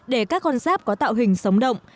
để các con rác có tạo hình sống động